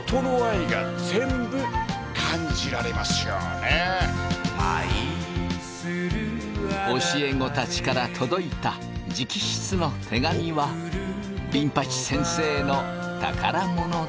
やっぱりね教え子たちから届いた直筆の手紙はビン八先生の宝物だ。